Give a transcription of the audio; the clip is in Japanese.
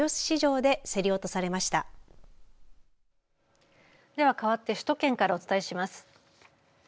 では、かわって首都圏からお伝えします。